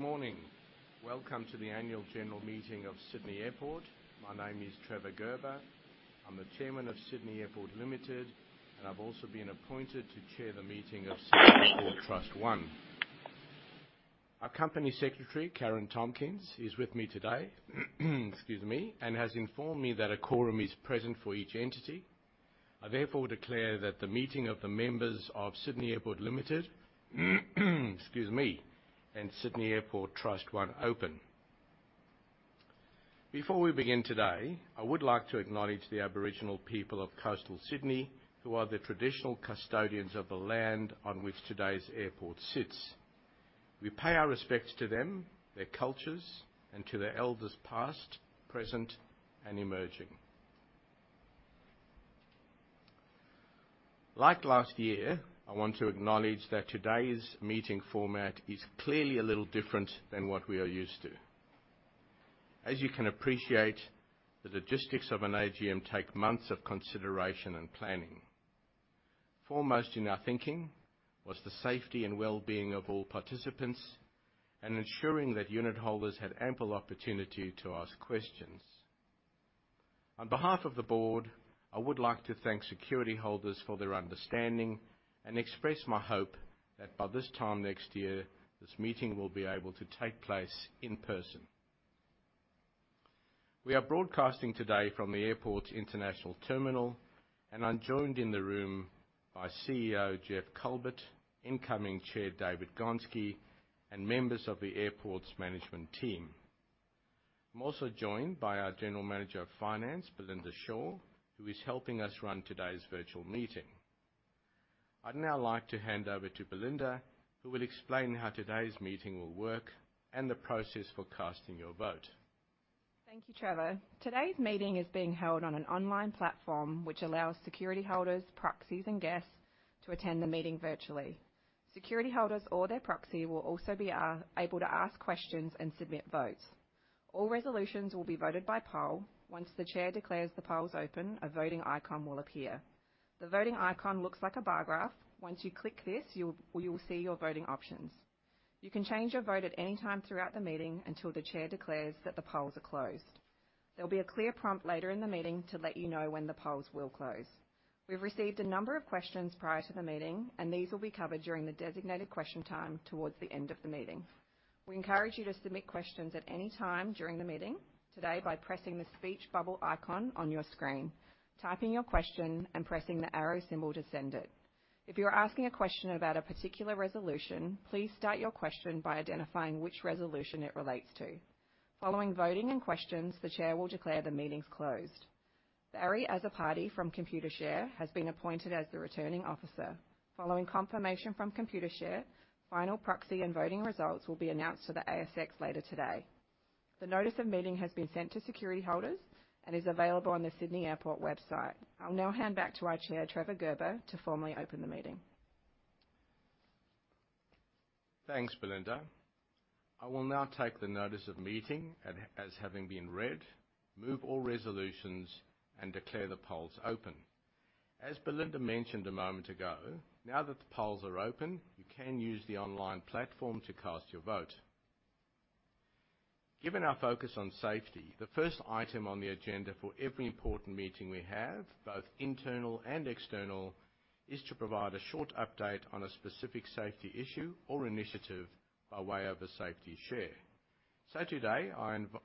Morning. Welcome to the annual general meeting of Sydney Airport. My name is Trevor Gerber. I'm the Chairman of Sydney Airport Limited, and I've also been appointed to chair the meeting of Sydney Airport Trust I. Our Company Secretary, Karen Tompkins, is with me today, and has informed me that a quorum is present for each entity. I therefore declare that the meeting of the members of Sydney Airport Limited, and Sydney Airport Trust I open. Before we begin today, I would like to acknowledge the Aboriginal people of coastal Sydney, who are the traditional custodians of the land on which today's airport sits. We pay our respects to them, their cultures, and to their elders past, present, and emerging. Like last year, I want to acknowledge that today's meeting format is clearly a little different than what we are used to. As you can appreciate, the logistics of an AGM take months of consideration and planning. Foremost in our thinking was the safety and wellbeing of all participants and ensuring that unitholders had ample opportunity to ask questions. On behalf of the board, I would like to thank security holders for their understanding and express my hope that by this time next year, this meeting will be able to take place in person. We are broadcasting today from the airport's international terminal, and I'm joined in the room by CEO Geoff Culbert, incoming chair David Gonski, and members of the airport's management team. I'm also joined by our General Manager of Finance, Belinda Shaw, who is helping us run today's virtual meeting. I'd now like to hand over to Belinda, who will explain how today's meeting will work and the process for casting your vote. Thank you, Trevor. Today's meeting is being held on an online platform which allows security holders, proxies, and guests to attend the meeting virtually. Security holders or their proxy will also be able to ask questions and submit votes. All resolutions will be voted by poll. Once the chair declares the polls open, a voting icon will appear. The voting icon looks like a bar graph. Once you click this, you will see your voting options. You can change your vote at any time throughout the meeting until the chair declares that the polls are closed. There'll be a clear prompt later in the meeting to let you know when the polls will close. We've received a number of questions prior to the meeting, these will be covered during the designated question time towards the end of the meeting. We encourage you to submit questions at any time during the meeting today by pressing the speech bubble icon on your screen, typing your question, and pressing the arrow symbol to send it. If you're asking a question about a particular resolution, please start your question by identifying which resolution it relates to. Following voting and questions, the chair will declare the meeting's closed. Barry Azzopardi from Computershare has been appointed as the returning officer. Following confirmation from Computershare, final proxy and voting results will be announced to the ASX later today. The notice of meeting has been sent to security holders and is available on the Sydney Airport website. I'll now hand back to our chair, Trevor Gerber, to formally open the meeting. Thanks, Belinda. I will now take the notice of meeting as having been read, move all resolutions, and declare the polls open. As Belinda mentioned a moment ago, now that the polls are open, you can use the online platform to cast your vote. Given our focus on safety, the first item on the agenda for every important meeting we have, both internal and external, is to provide a short update on a specific safety issue or initiative by way of a safety share. Today,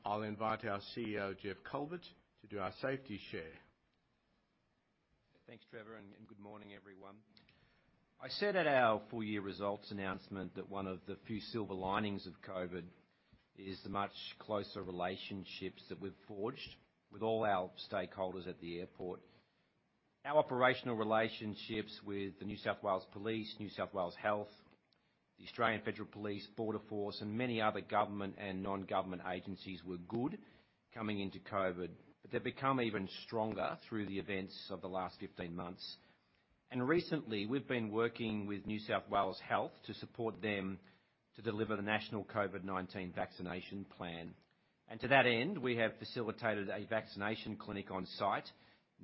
I'll invite our CEO, Geoff Culbert, to do our safety share. Thanks, Trevor, and good morning, everyone. I said at our full-year results announcement that one of the few silver linings of COVID is the much closer relationships that we've forged with all our stakeholders at the airport. Our operational relationships with the New South Wales Police, New South Wales Health, the Australian Federal Police, Border Force, and many other government and non-government agencies were good coming into COVID, but they've become even stronger through the events of the last 15 months. Recently, we've been working with New South Wales Health to support them to deliver the national COVID-19 vaccination plan. To that end, we have facilitated a vaccination clinic on site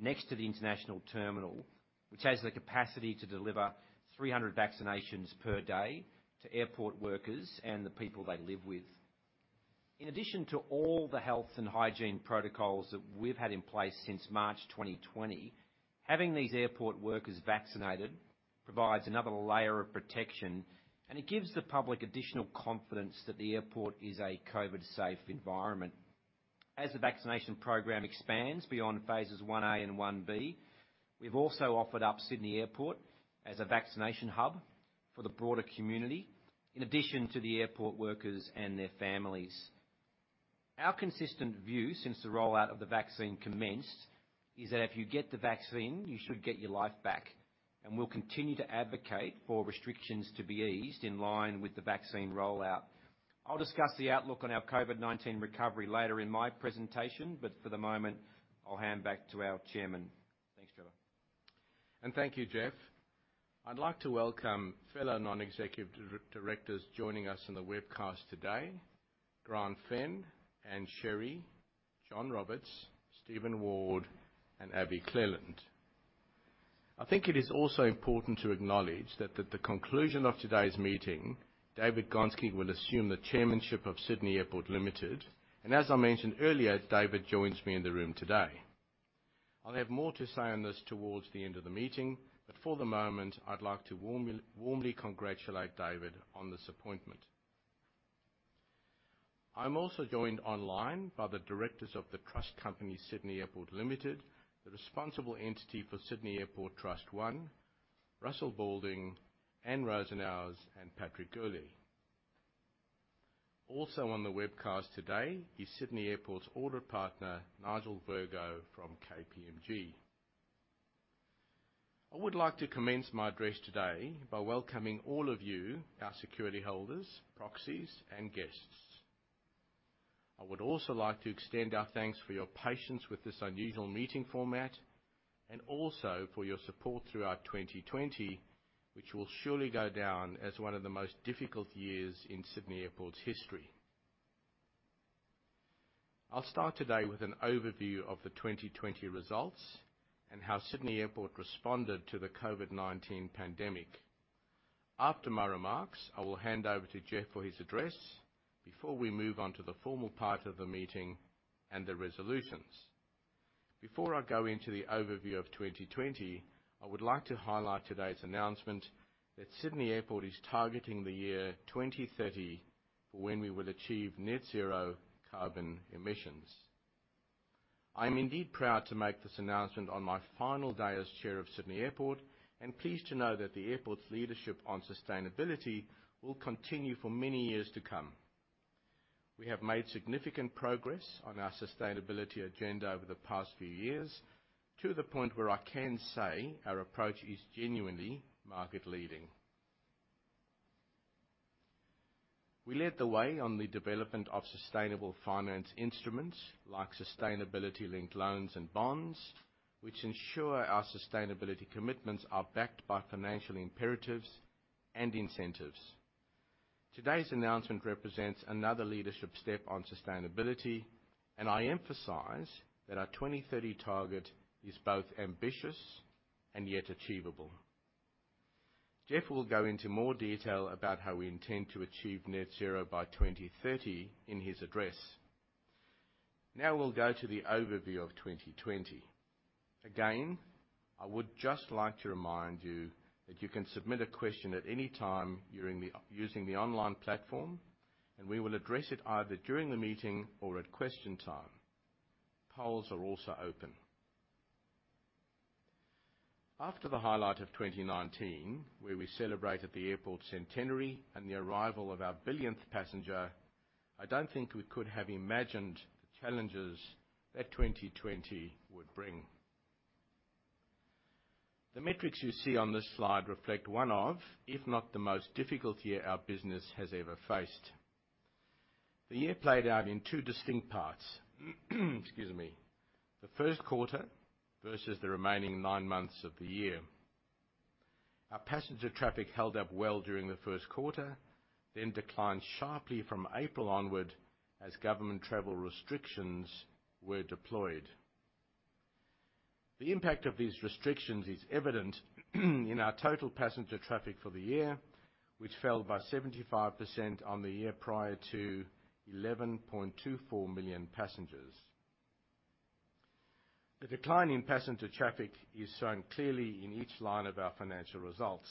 next to the international terminal, which has the capacity to deliver 300 vaccinations per day to airport workers and the people they live with. In addition to all the health and hygiene protocols that we've had in place since March 2020, having these airport workers vaccinated provides another layer of protection, and it gives the public additional confidence that the airport is a COVID-safe environment. As the vaccination program expands beyond phases 1A and 1B, we've also offered up Sydney Airport as a vaccination hub for the broader community, in addition to the airport workers and their families. Our consistent view since the rollout of the vaccine commenced is that if you get the vaccine, you should get your life back, and we'll continue to advocate for restrictions to be eased in line with the vaccine rollout. I'll discuss the outlook on our COVID-19 recovery later in my presentation, but for the moment, I'll hand back to our Chairman. Thanks, Trevor. Thank you, Geoff. I'd like to welcome fellow non-executive directors joining us on the webcast today, Grant Fenn, Ann Sherry, John Roberts, Stephen Ward, and Abi Cleland. I think it is also important to acknowledge that at the conclusion of today's meeting, David Gonski will assume the chairmanship of Sydney Airport Limited, and as I mentioned earlier, David joins me in the room today. I'll have more to say on this towards the end of the meeting, but for the moment, I'd like to warmly congratulate David on this appointment. I'm also joined online by the Directors of The Trust Company (Sydney Airport) Limited, the responsible entity for Sydney Airport Trust I, Russell Balding, Anne Rozenauers, and Patrick Gately. Also on the webcast today is Sydney Airport's Audit Partner, Nigel Virgo from KPMG. I would like to commence my address today by welcoming all of you, our security holders, proxies, and guests. I would also like to extend our thanks for your patience with this unusual meeting format, and also for your support throughout 2020, which will surely go down as one of the most difficult years in Sydney Airport's history. I'll start today with an overview of the 2020 results and how Sydney Airport responded to the COVID-19 pandemic. After my remarks, I will hand over to Geoff for his address before we move on to the formal part of the meeting and the resolutions. Before I go into the overview of 2020, I would like to highlight today's announcement that Sydney Airport is targeting the year 2030 for when we would achieve net zero carbon emissions. I'm indeed proud to make this announcement on my final day as chair of Sydney Airport, and pleased to know that the airport's leadership on sustainability will continue for many years to come. We have made significant progress on our sustainability agenda over the past few years, to the point where I can say our approach is genuinely market-leading. We led the way on the development of sustainable finance instruments like sustainability-linked loans and bonds, which ensure our sustainability commitments are backed by financial imperatives and incentives. Today's announcement represents another leadership step on sustainability, and I emphasize that our 2030 target is both ambitious and yet achievable. Geoff will go into more detail about how we intend to achieve net zero by 2030 in his address. Now we'll go to the overview of 2020. Again, I would just like to remind you that you can submit a question at any time using the online platform, and we will address it either during the meeting or at question time. Polls are also open. After the highlight of 2019, where we celebrated the airport's centenary and the arrival of our billionth passenger, I don't think we could have imagined the challenges that 2020 would bring. The metrics you see on this slide reflect one of, if not the most difficult year our business has ever faced. The year played out in two distinct parts. Excuse me. The first quarter versus the remaining nine months of the year. Our passenger traffic held up well during the first quarter, then declined sharply from April onward as government travel restrictions were deployed. The impact of these restrictions is evident in our total passenger traffic for the year, which fell by 75% on the year prior to 11.24 million passengers. The decline in passenger traffic is shown clearly in each line of our financial results.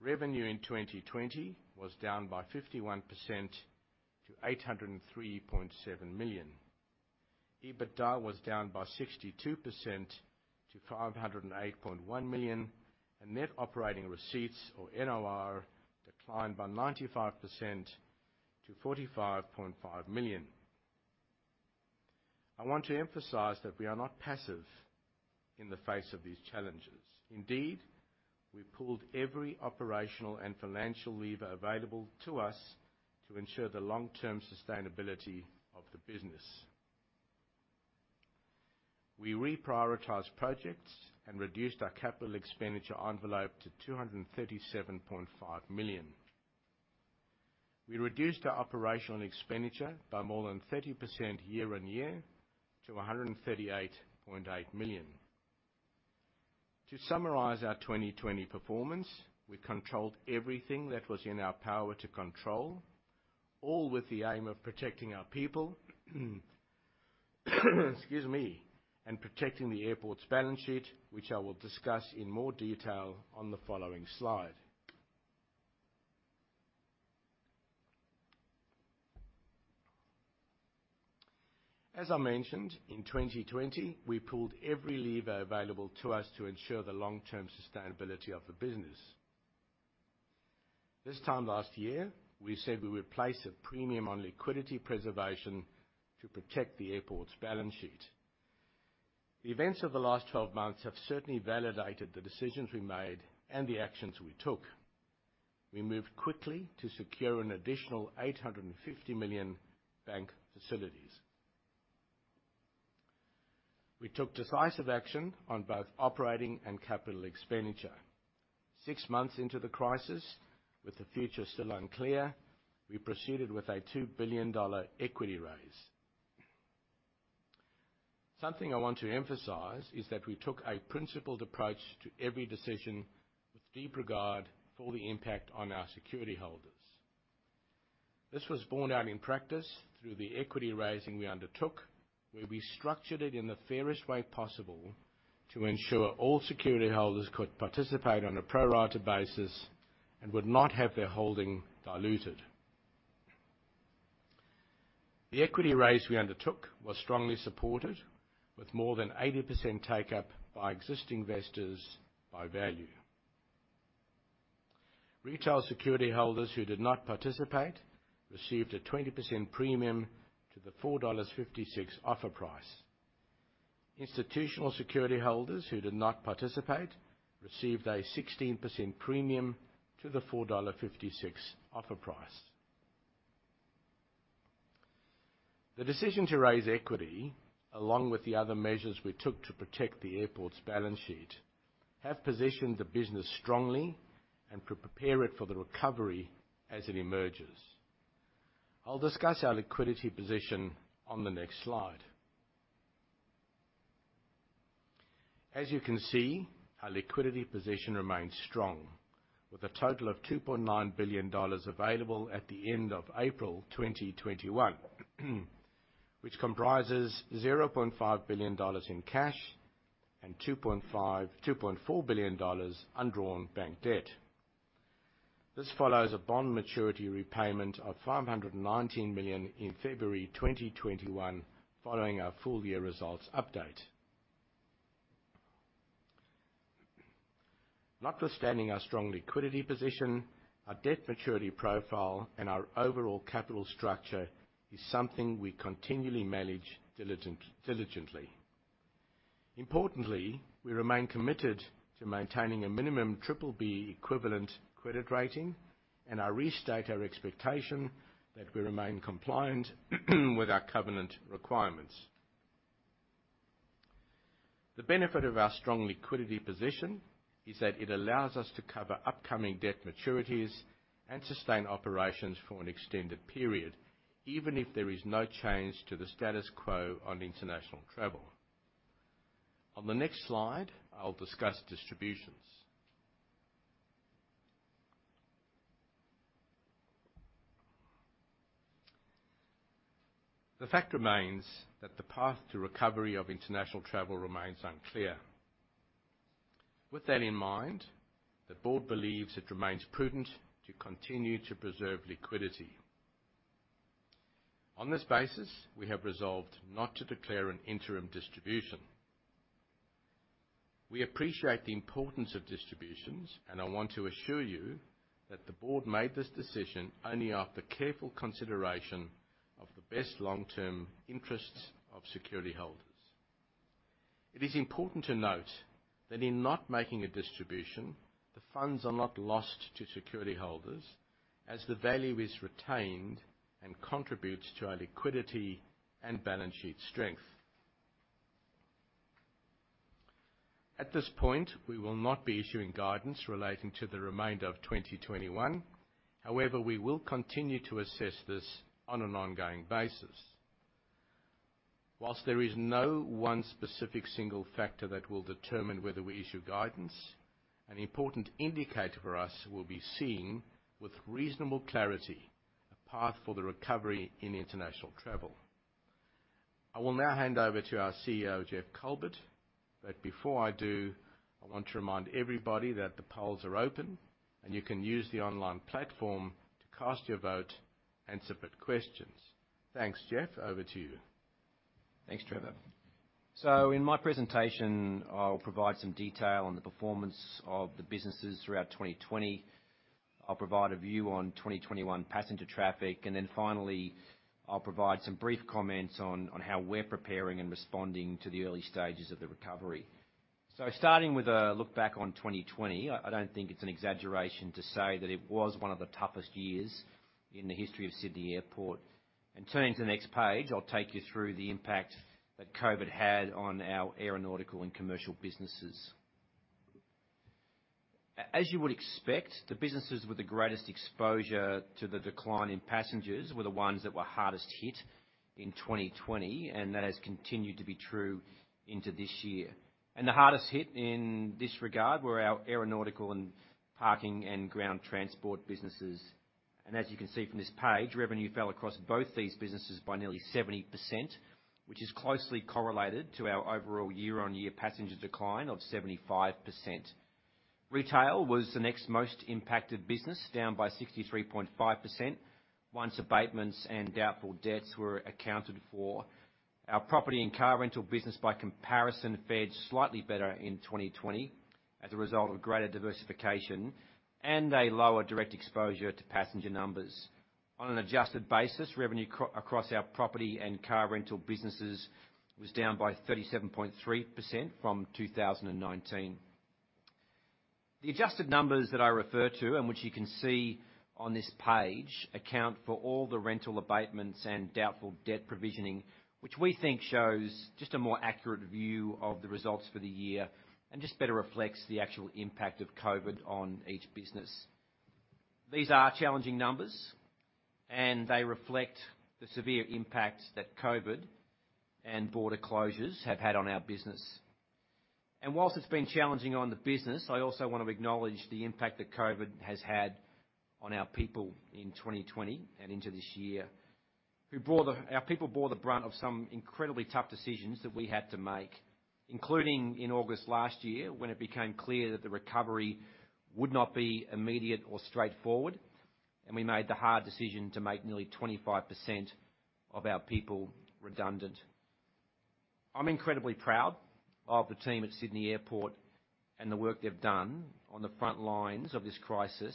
Revenue in 2020 was down by 51% to 803.7 million. EBITDA was down by 62% to 508.1 million, and net operating receipts, or NOR, declined by 95% to 45.5 million. I want to emphasize that we are not passive in the face of these challenges. Indeed, we pulled every operational and financial lever available to us to ensure the long-term sustainability of the business. We reprioritized projects and reduced our capital expenditure envelope to 237.5 million. We reduced our operational expenditure by more than 30% year-on-year to AUD 138.8 million. To summarize our 2020 performance, we controlled everything that was in our power to control, all with the aim of protecting our people. Excuse me. Protecting the airport's balance sheet, which I will discuss in more detail on the following slide. As I mentioned, in 2020, we pulled every lever available to us to ensure the long-term sustainability of the business. This time last year, we said we would place a premium on liquidity preservation to protect the airport's balance sheet. The events of the last 12 months have certainly validated the decisions we made and the actions we took. We moved quickly to secure an additional 850 million bank facilities. We took decisive action on both operating and capital expenditure. Six months into the crisis, with the future still unclear, we proceeded with an 2 billion dollar equity raise. Something I want to emphasize is that we took a principled approach to every decision with deep regard for the impact on our security holders. This was borne out in practice through the equity raising we undertook, where we structured it in the fairest way possible to ensure all security holders could participate on a pro rata basis and would not have their holding diluted. The equity raise we undertook was strongly supported, with more than 80% take-up by existing investors by value. Retail security holders who did not participate received a 20% premium to the 4.56 dollars offer price. Institutional security holders who did not participate received a 16% premium to the 4.56 dollar offer price. The decision to raise equity, along with the other measures we took to protect Sydney Airport's balance sheet, have positioned the business strongly and could prepare it for the recovery as it emerges. I'll discuss our liquidity position on the next slide. As you can see, our liquidity position remains strong with a total of 2.9 billion dollars available at the end of April 2021, which comprises 0.5 billion dollars in cash and 2.4 billion dollars undrawn bank debt. This follows a bond maturity repayment of 519 million in February 2021, following our full-year results update. Notwithstanding our strong liquidity position, our debt maturity profile, and our overall capital structure is something we continually manage diligently. Importantly, we remain committed to maintaining a minimum BBB equivalent credit rating, and I restate our expectation that we remain compliant with our covenant requirements. The benefit of our strong liquidity position is that it allows us to cover upcoming debt maturities and sustain operations for an extended period, even if there is no change to the status quo on international travel. On the next slide, I'll discuss distributions. The fact remains that the path to recovery of international travel remains unclear. With that in mind, the board believes it remains prudent to continue to preserve liquidity. On this basis, we have resolved not to declare an interim distribution. We appreciate the importance of distributions, and I want to assure you that the board made this decision only after careful consideration of the best long-term interests of security holders. It is important to note that in not making a distribution, the funds are not lost to security holders as the value is retained and contributes to our liquidity and balance sheet strength. At this point, we will not be issuing guidance relating to the remainder of 2021. We will continue to assess this on an ongoing basis. While there is no one specific single factor that will determine whether we issue guidance, an important indicator for us will be seeing with reasonable clarity a path for the recovery in international travel. I will now hand over to our CEO, Geoff Culbert, but before I do, I want to remind everybody that the polls are open, and you can use the online platform to cast your vote and submit questions. Thanks, Geoff. Over to you. Thanks, Trevor. In my presentation, I'll provide some detail on the performance of the businesses throughout 2020. I'll provide a view on 2021 passenger traffic, finally, I'll provide some brief comments on how we're preparing and responding to the early stages of the recovery. Starting with a look back on 2020, I don't think it's an exaggeration to say that it was one of the toughest years in the history of Sydney Airport. Turning to the next page, I'll take you through the impact that COVID-19 had on our aeronautical and commercial businesses. As you would expect, the businesses with the greatest exposure to the decline in passengers were the ones that were hardest hit in 2020, that has continued to be true into this year. The hardest hit in this regard were our aeronautical and parking and ground transport businesses. As you can see from this page, revenue fell across both these businesses by nearly 70%, which is closely correlated to our overall year-on-year passenger decline of 75%. Retail was the next most impacted business, down by 63.5% once abatements and doubtful debts were accounted for. Our property and car rental business by comparison, fared slightly better in 2020 as a result of greater diversification and a lower direct exposure to passenger numbers. On an adjusted basis, revenue across our property and car rental businesses was down by 37.3% from 2019. The adjusted numbers that I refer to and which you can see on this page account for all the rental abatements and doubtful debt provisioning, which we think shows just a more accurate view of the results for the year and just better reflects the actual impact of COVID-19 on each business. These are challenging numbers, they reflect the severe impact that COVID-19 and border closures have had on our business. Whilst it's been challenging on the business, I also want to acknowledge the impact that COVID-19 has had on our people in 2020 and into this year. Our people bore the brunt of some incredibly tough decisions that we had to make, including in August last year, when it became clear that the recovery would not be immediate or straightforward, and we made the hard decision to make nearly 25% of our people redundant. I'm incredibly proud of the team at Sydney Airport and the work they've done on the front lines of this crisis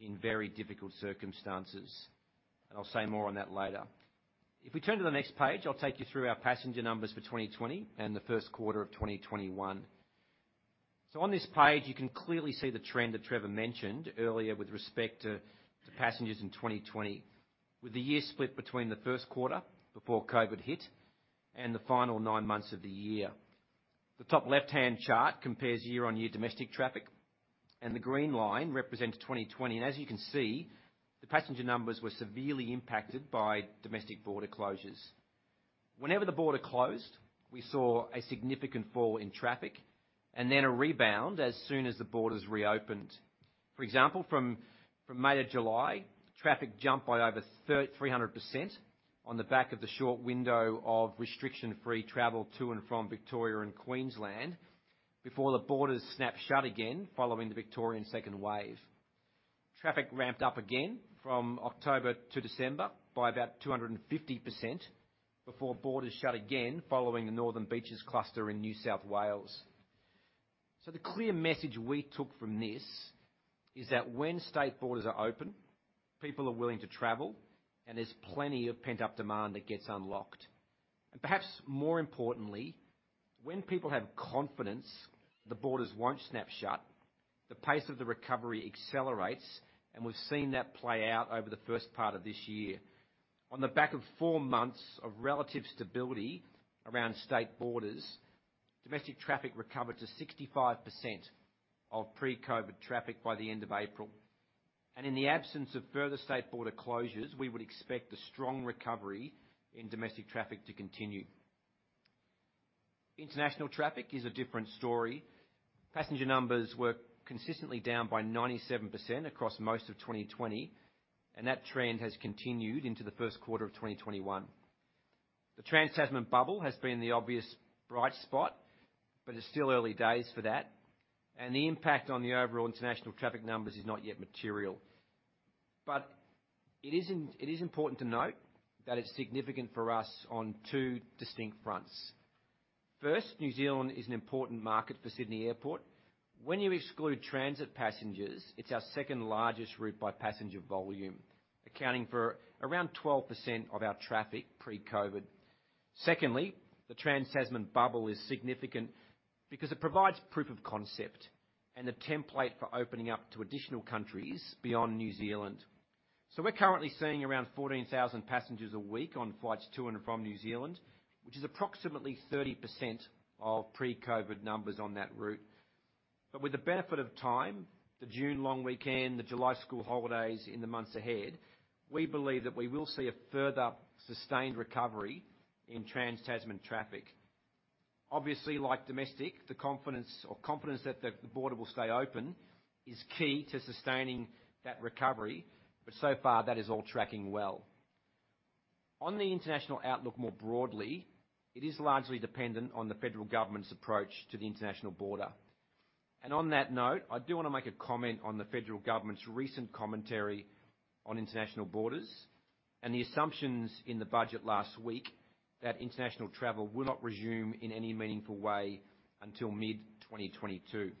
in very difficult circumstances. I'll say more on that later. If we turn to the next page, I'll take you through our passenger numbers for 2020 and the first quarter of 2021. On this page, you can clearly see the trend that Trevor mentioned earlier with respect to passengers in 2020. With the year split between the first quarter before COVID hit and the final nine months of the year. The top left-hand chart compares year-on-year domestic traffic, the green line represents 2020. As you can see, the passenger numbers were severely impacted by domestic border closures. Whenever the border closed, we saw a significant fall in traffic and then a rebound as soon as the borders reopened. For example, from May to July, traffic jumped by over 300% on the back of the short window of restriction-free travel to and from Victoria and Queensland before the borders snapped shut again following the Victorian second wave. Traffic ramped up again from October to December by about 250% before borders shut again following the Northern Beaches cluster in New South Wales. The clear message we took from this is that when state borders are open, people are willing to travel and there's plenty of pent-up demand that gets unlocked. Perhaps more importantly, when people have confidence the borders won't snap shut, the pace of the recovery accelerates, and we've seen that play out over the first part of this year. On the back of four months of relative stability around state borders, domestic traffic recovered to 65% of pre-COVID-19 traffic by the end of April. In the absence of further state border closures, we would expect a strong recovery in domestic traffic to continue. International traffic is a different story. Passenger numbers were consistently down by 97% across most of 2020, and that trend has continued into the first quarter of 2021. The Trans-Tasman bubble has been the obvious bright spot, but it's still early days for that, and the impact on the overall international traffic numbers is not yet material. It is important to note that it's significant for us on two distinct fronts. First, New Zealand is an important market for Sydney Airport. When you exclude transit passengers, it's our second largest route by passenger volume, accounting for around 12% of our traffic pre-COVID. Secondly, the Trans-Tasman bubble is significant because it provides proof of concept and the template for opening up to additional countries beyond New Zealand. We're currently seeing around 14,000 passengers a week on flights to and from New Zealand, which is approximately 30% of pre-COVID numbers on that route. With the benefit of time, the June long weekend, the July school holidays in the months ahead, we believe that we will see a further sustained recovery in Trans-Tasman traffic. Obviously, like domestic, the confidence that the border will stay open is key to sustaining that recovery, but so far that is all tracking well. On the international outlook more broadly, it is largely dependent on the federal government's approach to the international border. On that note, I do want to make a comment on the federal government's recent commentary on international borders and the assumptions in the budget last week that international travel will not resume in any meaningful way until mid-2022.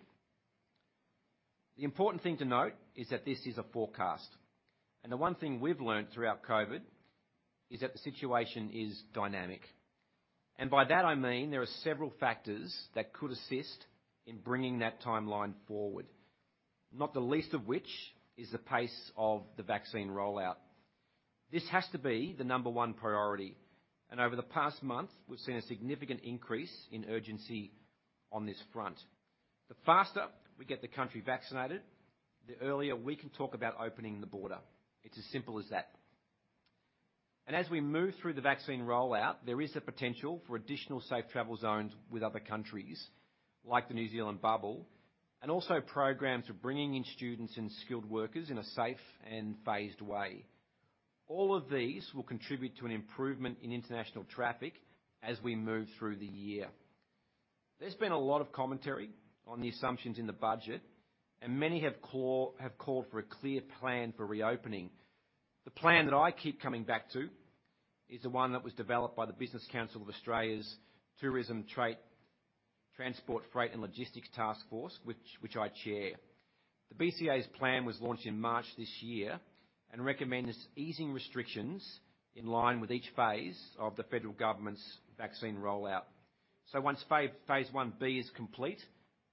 The important thing to note is that this is a forecast. The one thing we've learned throughout COVID-19 is that the situation is dynamic. By that, I mean there are several factors that could assist in bringing that timeline forward, not the least of which is the pace of the vaccine rollout. This has to be the number one priority, and over the past month, we've seen a significant increase in urgency on this front. The faster we get the country vaccinated, the earlier we can talk about opening the border. It's as simple as that. As we move through the vaccine rollout, there is the potential for additional safe travel zones with other countries like the New Zealand bubble, and also programs for bringing in students and skilled workers in a safe and phased way. All of these will contribute to an improvement in international traffic as we move through the year. There's been a lot of commentary on the assumptions in the budget, and many have called for a clear plan for reopening. The plan that I keep coming back to is the one that was developed by the Business Council of Australia's Tourism, Transport, Freight and Logistics Task Force, which I chair. The BCA's plan was launched in March this year and recommends easing restrictions in line with each phase of the federal government's vaccine rollout. Once phase 1B is complete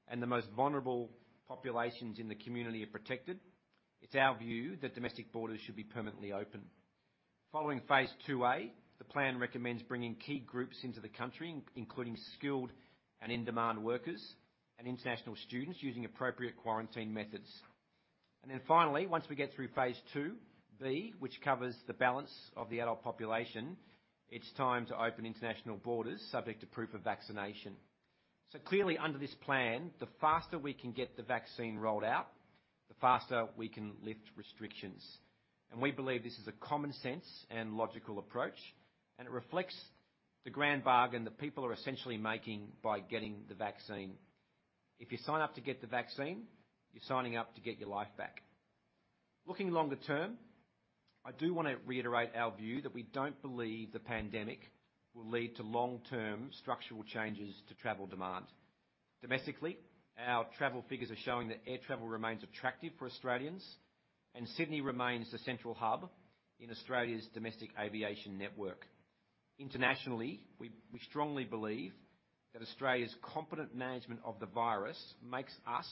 and the most vulnerable populations in the community are protected, it's our view that domestic borders should be permanently open. Following phase 2A, the plan recommends bringing key groups into the country, including skilled and in-demand workers and international students using appropriate quarantine methods. Finally, once we get through phase 2B, which covers the balance of the adult population, it's time to open international borders subject to proof of vaccination. Clearly, under this plan, the faster we can get the vaccine rolled out, the faster we can lift restrictions. We believe this is a common sense and logical approach, and it reflects the grand bargain that people are essentially making by getting the vaccine. If you sign up to get the vaccine, you're signing up to get your life back. Looking longer term, I do want to reiterate our view that we don't believe the pandemic will lead to long-term structural changes to travel demand. Domestically, our travel figures are showing that air travel remains attractive for Australians, and Sydney remains the central hub in Australia's domestic aviation network. Internationally, we strongly believe that Australia's competent management of the virus makes us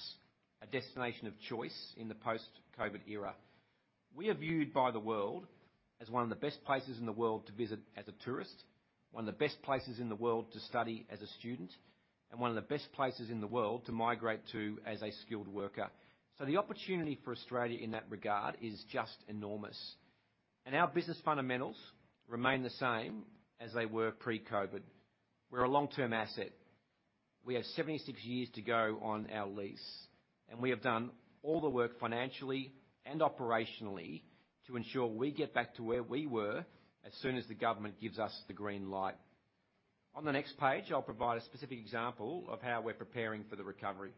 a destination of choice in the post-COVID era. We are viewed by the world as one of the best places in the world to visit as a tourist, one of the best places in the world to study as a student, and one of the best places in the world to migrate to as a skilled worker. The opportunity for Australia in that regard is just enormous, and our business fundamentals remain the same as they were pre-COVID. We're a long-term asset. We have 76 years to go on our lease, and we have done all the work financially and operationally to ensure we get back to where we were as soon as the government gives us the green light. On the next page, I'll provide a specific example of how we're preparing for the recovery.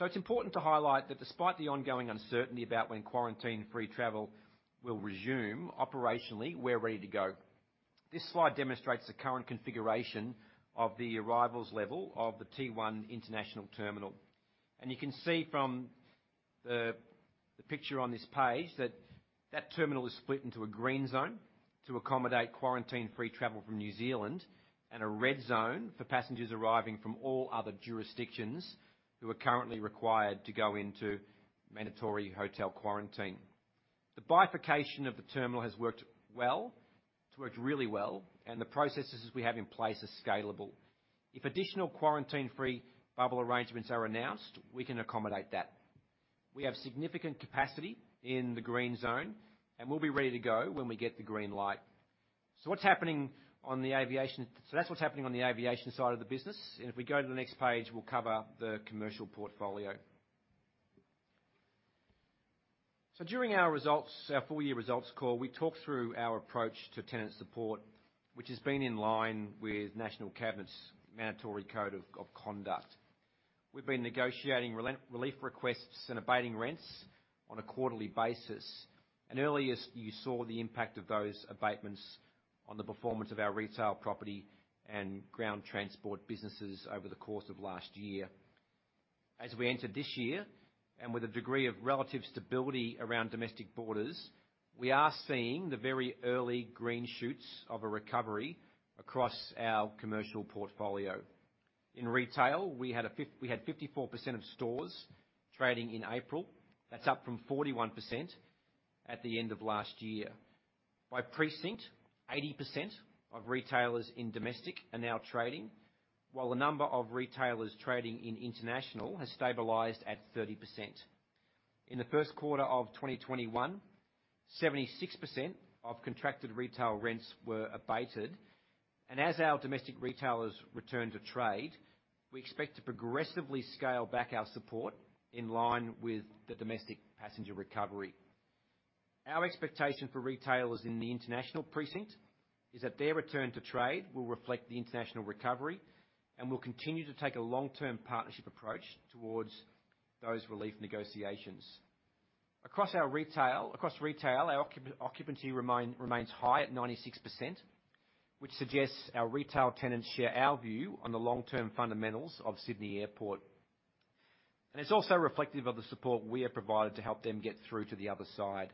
It's important to highlight that despite the ongoing uncertainty about when quarantine-free travel will resume, operationally, we're ready to go. This slide demonstrates the current configuration of the arrivals level of the T1 International Terminal. You can see from the picture on this page that that terminal is split into a green zone to accommodate quarantine-free travel from New Zealand, and a red zone for passengers arriving from all other jurisdictions who are currently required to go into mandatory hotel quarantine. The bifurcation of the terminal has worked well. It's worked really well, and the processes we have in place are scalable. If additional quarantine-free bubble arrangements are announced, we can accommodate that. We have significant capacity in the green zone, and we'll be ready to go when we get the green light. That's what's happening on the aviation side of the business, and if we go to the next page, we'll cover the commercial portfolio. During our full year results call, we talked through our approach to tenant support, which has been in line with National Cabinet's mandatory code of conduct. We've been negotiating relief requests and abating rents on a quarterly basis, and earlier you saw the impact of those abatements on the performance of our retail property and ground transport businesses over the course of last year. As we enter this year, and with a degree of relative stability around domestic borders, we are seeing the very early green shoots of a recovery across our commercial portfolio. In retail, we had 54% of stores trading in April. That's up from 41% at the end of last year. By precinct, 80% of retailers in domestic are now trading, while the number of retailers trading in international has stabilized at 30%. In the first quarter of 2021, 76% of contracted retail rents were abated, and as our domestic retailers return to trade, we expect to progressively scale back our support in line with the domestic passenger recovery. Our expectation for retailers in the international precinct is that their return to trade will reflect the international recovery, and we'll continue to take a long-term partnership approach towards those relief negotiations. Across retail, our occupancy remains high at 96%, which suggests our retail tenants share our view on the long-term fundamentals of Sydney Airport. It's also reflective of the support we have provided to help them get through to the other side.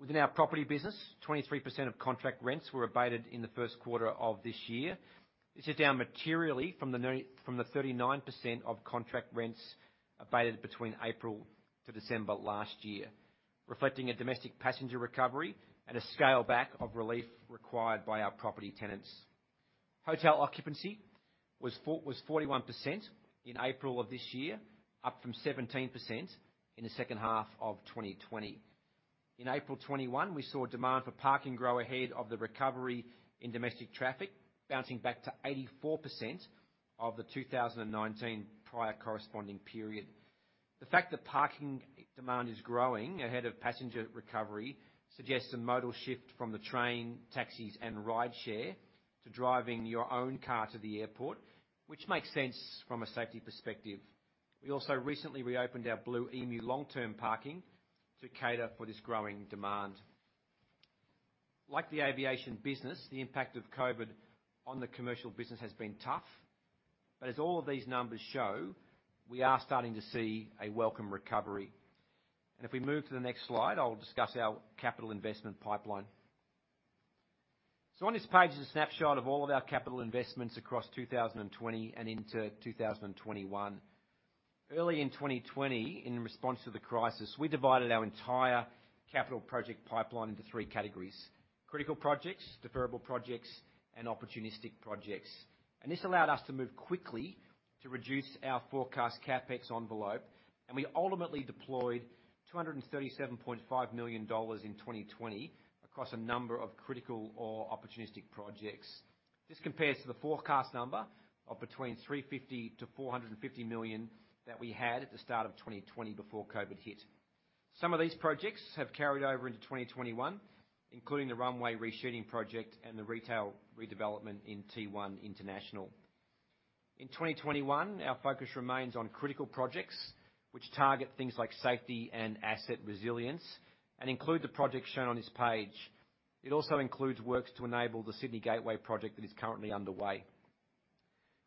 Within our property business, 23% of contract rents were abated in the first quarter of this year. This is down materially from the 39% of contract rents abated between April to December last year, reflecting a domestic passenger recovery and a scale back of relief required by our property tenants. Hotel occupancy was 41% in April of this year, up from 17% in the second half of 2020. In April 2021, we saw demand for parking grow ahead of the recovery in domestic traffic, bouncing back to 84% of the 2019 prior corresponding period. The fact that parking demand is growing ahead of passenger recovery suggests a modal shift from the train, taxis, and rideshare to driving your own car to the airport, which makes sense from a safety perspective. We also recently reopened our Blu Emu long-term parking to cater for this growing demand. Like the aviation business, the impact of COVID-19 on the commercial business has been tough. As all of these numbers show, we are starting to see a welcome recovery. If we move to the next slide, I'll discuss our capital investment pipeline. On this page is a snapshot of all of our capital investments across 2020 and into 2021. Early in 2020, in response to the crisis, we divided our entire capital project pipeline into 3 categories. Critical projects, deferrable projects, and opportunistic projects. This allowed us to move quickly to reduce our forecast CapEx envelope, and we ultimately deployed 237.5 million dollars in 2020 across a number of critical or opportunistic projects. This compares to the forecast number of between 350 million-450 million that we had at the start of 2020 before COVID-19 hit. Some of these projects have carried over into 2021, including the runway resheeting project and the retail redevelopment in T1 International. In 2021, our focus remains on critical projects which target things like safety and asset resilience and include the projects shown on this page. It also includes works to enable the Sydney Gateway project that is currently underway.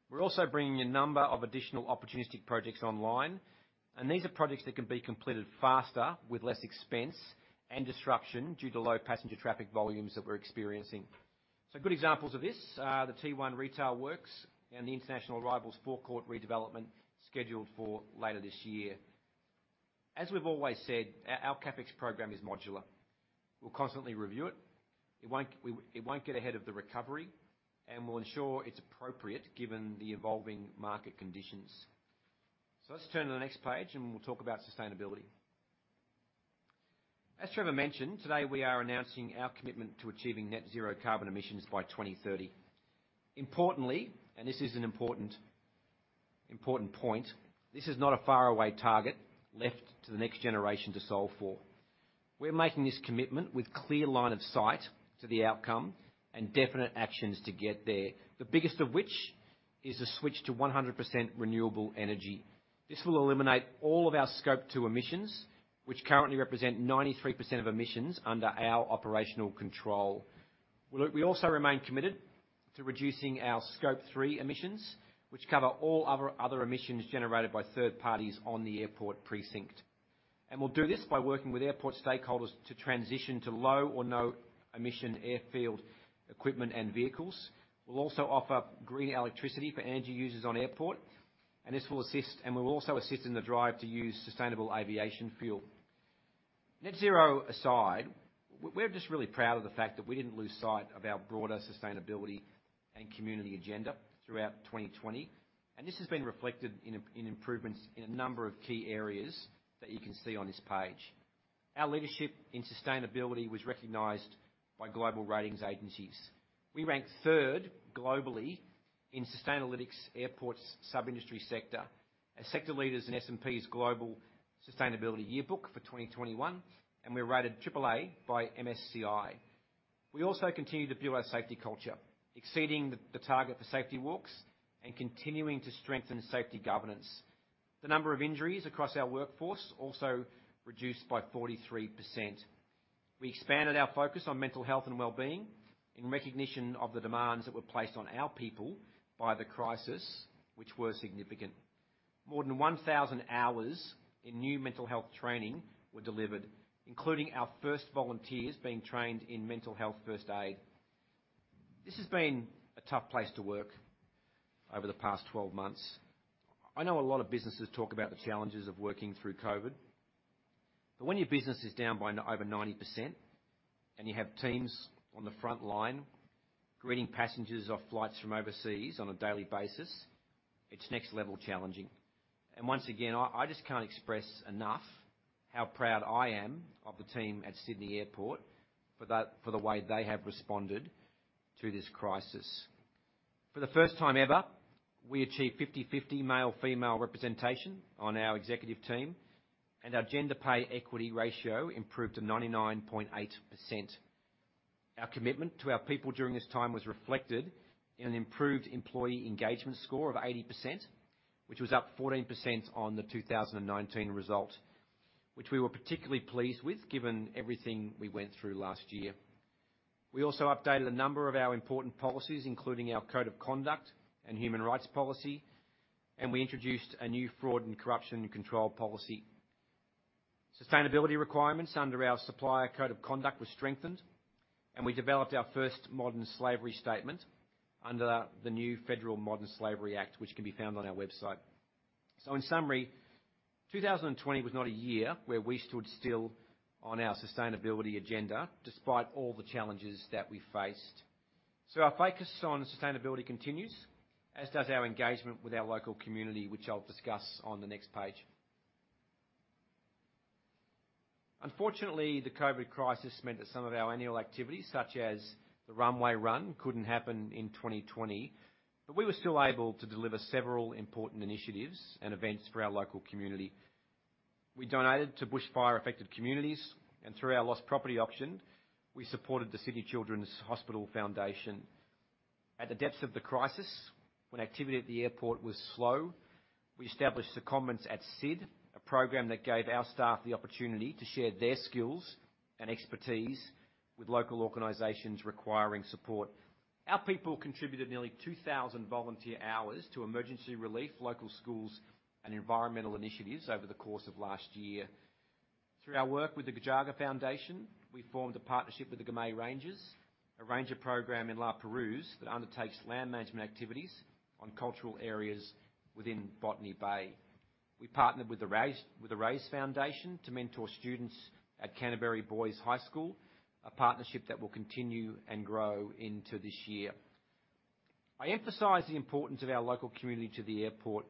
We're also bringing a number of additional opportunistic projects online, and these are projects that can be completed faster with less expense and disruption due to low passenger traffic volumes that we're experiencing. Good examples of this are the T1 retail works and the international arrivals forecourt redevelopment scheduled for later this year. As we've always said, our CapEx program is modular. We'll constantly review it. It won't get ahead of the recovery, and we'll ensure it's appropriate given the evolving market conditions. Let's turn to the next page, and we'll talk about sustainability. As Trevor mentioned, today we are announcing our commitment to achieving net zero carbon emissions by 2030. Importantly, and this is an important point, this is not a faraway target left to the next generation to solve for. We're making this commitment with clear line of sight to the outcome and definite actions to get there. The biggest of which is a switch to 100% renewable energy. This will eliminate all of our Scope 2 emissions, which currently represent 93% of emissions under our operational control. We also remain committed to reducing our Scope 3 emissions, which cover all other emissions generated by third parties on the airport precinct. We'll do this by working with airport stakeholders to transition to low or no emission airfield equipment and vehicles. We'll also offer green electricity for energy users on airport, and this will assist, and we'll also assist in the drive to use sustainable aviation fuel. Net zero aside, we're just really proud of the fact that we didn't lose sight of our broader sustainability and community agenda throughout 2020, and this has been reflected in improvements in a number of key areas that you can see on this page. Our leadership in sustainability was recognized by global ratings agencies. We ranked third globally in Sustainalytics airports sub-industry sector, are sector leaders in S&P Global Sustainability Yearbook for 2021, and we are rated AAA by MSCI. We also continue to build our safety culture, exceeding the target for safety walks and continuing to strengthen safety governance. The number of injuries across our workforce also reduced by 43%. We expanded our focus on mental health and wellbeing in recognition of the demands that were placed on our people by the crisis, which were significant. More than 1,000 hours in new mental health training were delivered, including our first volunteers being trained in Mental Health First Aid. This has been a tough place to work over the past 12 months. I know a lot of businesses talk about the challenges of working through COVID, but when your business is down by over 90% and you have teams on the front line greeting passengers off flights from overseas on a daily basis, it's next level challenging. Once again, I just can't express enough how proud I am of the team at Sydney Airport for the way they have responded to this crisis. For the first time ever, we achieved 50/50 male-female representation on our executive team, and our gender pay equity ratio improved to 99.8%. Our commitment to our people during this time was reflected in an improved employee engagement score of 80%, which was up 14% on the 2019 result, which we were particularly pleased with given everything we went through last year. We also updated a number of our important policies, including our Code of Conduct and Human Rights Policy, and we introduced a new Fraud and Corruption Control Policy. Sustainability requirements under our Supplier Code of Conduct were strengthened, and we developed our first Modern Slavery Statement under the new Federal Modern Slavery Act, which can be found on our website. In summary, 2020 was not a year where we stood still on our sustainability agenda despite all the challenges that we faced. Our focus on sustainability continues, as does our engagement with our local community, which I'll discuss on the next page. Unfortunately, the COVID-19 crisis meant that some of our annual activities, such as the Runway Run, couldn't happen in 2020, but we were still able to deliver several important initiatives and events for our local community. We donated to bushfire-affected communities, and through our lost property auction, we supported the Sydney Children's Hospitals Foundation. At the depths of the crisis, when activity at the airport was slow, we established the Commons at Syd, a program that gave our staff the opportunity to share their skills and expertise with local organizations requiring support. Our people contributed nearly 2,000 volunteer hours to emergency relief, local schools, and environmental initiatives over the course of last year. Through our work with the Gujaga Foundation, we formed a partnership with the Gamay Rangers, a ranger program in La Perouse that undertakes land management activities on cultural areas within Botany Bay. We partnered with the Raise Foundation to mentor students at Canterbury Boys High School, a partnership that will continue and grow into this year. I emphasize the importance of our local community to the airport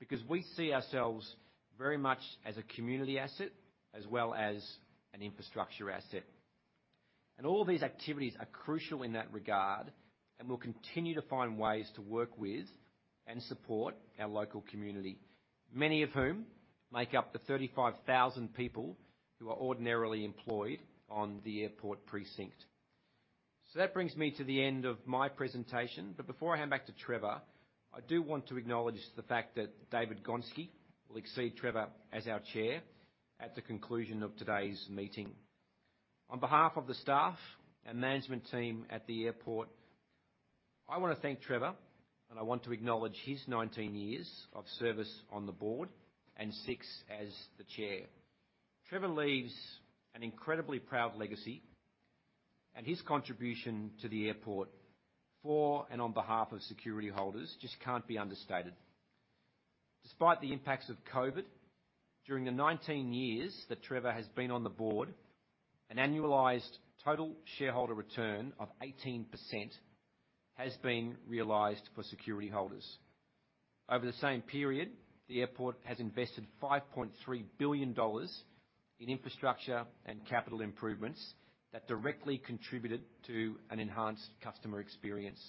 because we see ourselves very much as a community asset as well as an infrastructure asset. All these activities are crucial in that regard, and we'll continue to find ways to work with and support our local community, many of whom make up the 35,000 people who are ordinarily employed on the airport precinct. That brings me to the end of my presentation, but before I hand back to Trevor, I do want to acknowledge the fact that David Gonski will succeed Trevor as our Chair at the conclusion of today's meeting. On behalf of the staff and management team at the airport, I want to thank Trevor, and I want to acknowledge his 19 years of service on the board and six as the Chair. Trevor leaves an incredibly proud legacy, and his contribution to the airport for and on behalf of security holders just can't be understated. Despite the impacts of COVID-19, during the 19 years that Trevor has been on the board, an annualized total shareholder return of 18% has been realized for security holders. Over the same period, the airport has invested 5.3 billion dollars in infrastructure and capital improvements that directly contributed to an enhanced customer experience.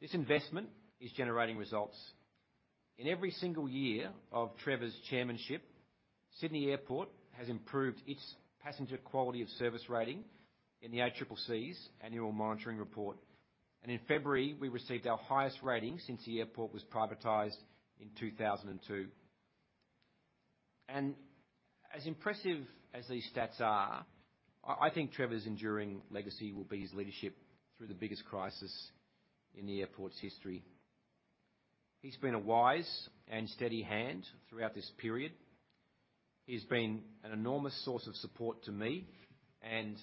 This investment is generating results. In every single year of Trevor's chairmanship, Sydney Airport has improved its passenger quality of service rating in the ACCC's annual monitoring report. In February, we received our highest rating since the airport was privatized in 2002. As impressive as these stats are, I think Trevor's enduring legacy will be his leadership through the biggest crisis in the airport's history. He's been a wise and steady hand throughout this period. He's been an enormous source of support to me and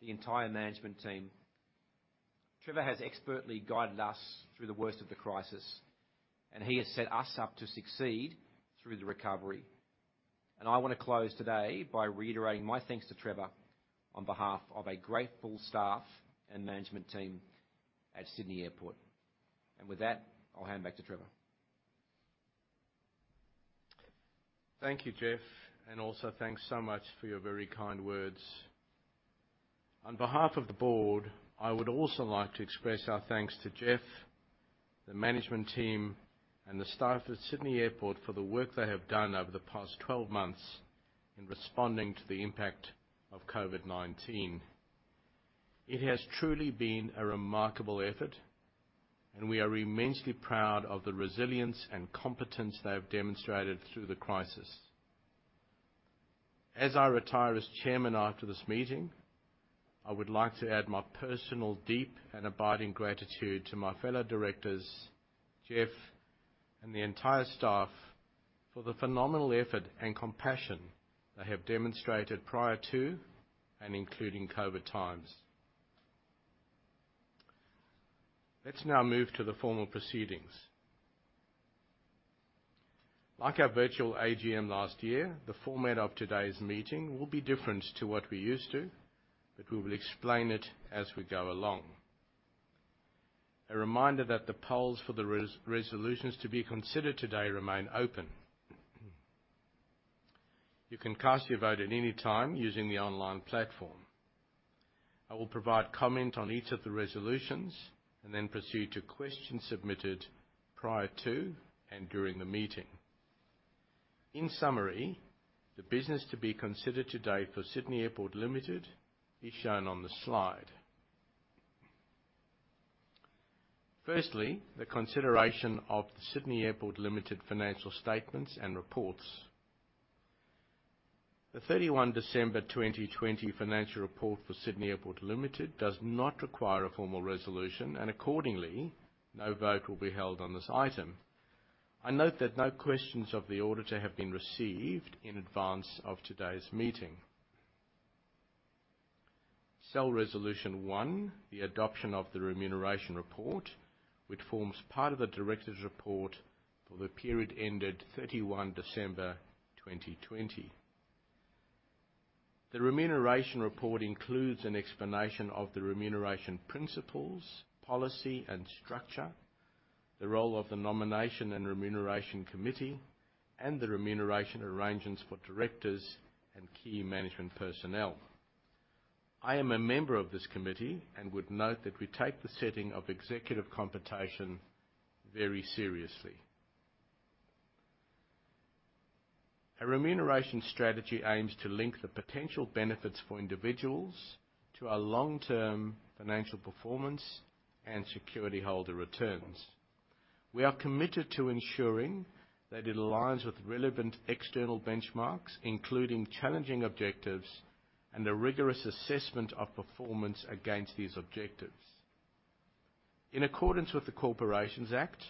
the entire management team. Trevor has expertly guided us through the worst of the crisis, and he has set us up to succeed through the recovery. I want to close today by reiterating my thanks to Trevor on behalf of a grateful staff and management team at Sydney Airport. With that, I'll hand back to Trevor. Thank you, Geoff, also thanks so much for your very kind words. On behalf of the Board, I would also like to express our thanks to Geoff, the management team, and the staff at Sydney Airport for the work they have done over the past 12 months in responding to the impact of COVID-19. It has truly been a remarkable effort, we are immensely proud of the resilience and competence they have demonstrated through the crisis. As I retire as Chairman after this meeting, I would like to add my personal deep and abiding gratitude to my fellow directors, Geoff, and the entire staff for the phenomenal effort and compassion they have demonstrated prior to and including COVID times. Let's now move to the formal proceedings. Like our virtual AGM last year, the format of today's meeting will be different to what we're used to, but we will explain it as we go along. A reminder that the polls for the resolutions to be considered today remain open. You can cast your vote at any time using the online platform. I will provide comment on each of the resolutions and then proceed to questions submitted prior to and during the meeting. In summary, the business to be considered today for Sydney Airport Limited is shown on the slide. Firstly, the consideration of the Sydney Airport Limited financial statements and reports. The 31 December 2020 financial report for Sydney Airport Limited does not require a formal resolution, and accordingly, no vote will be held on this item. I note that no questions of the auditor have been received in advance of today's meeting. SYD Resolution one, the adoption of the remuneration report, which forms part of the directors' report for the period ended 31 December 2020. The remuneration report includes an explanation of the remuneration principles, policy, and structure, the role of the Nominations and Remuneration Committee, and the remuneration arrangements for directors and key management personnel. I am a member of this committee and would note that we take the setting of executive compensation very seriously. Our remuneration strategy aims to link the potential benefits for individuals to our long-term financial performance and security holder returns. We are committed to ensuring that it aligns with relevant external benchmarks, including challenging objectives and a rigorous assessment of performance against these objectives. In accordance with the Corporations Act,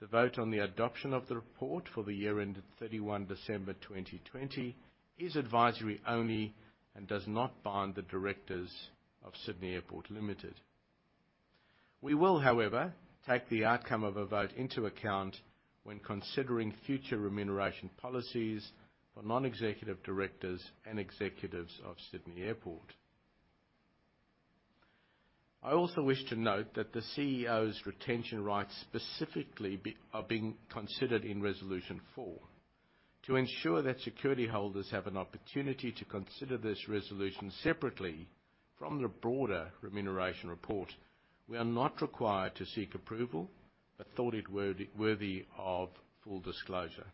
the vote on the adoption of the report for the year ended 31 December 2020 is advisory only and does not bind the directors of Sydney Airport Limited. We will, however, take the outcome of a vote into account when considering future remuneration policies for non-executive directors and executives of Sydney Airport. I also wish to note that the CEO's retention rights specifically are being considered in Resolution four. To ensure that security holders have an opportunity to consider this resolution separately from the broader remuneration report, we are not required to seek approval, but thought it worthy of full disclosure.